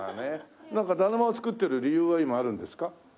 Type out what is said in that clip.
なんかだるまを作ってる理由は今あるんですか？